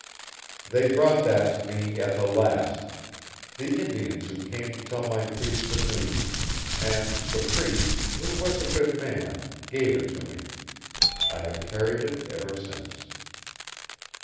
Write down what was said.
"They brought that to me at the last the Indians who came to tell my priest the news; and the priest, who was a good man, gave it to me. I have carried it ever since."